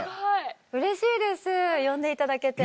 うれしいです呼んでいただけて。